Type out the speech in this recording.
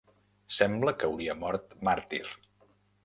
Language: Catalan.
Sembla que hauria mort màrtir.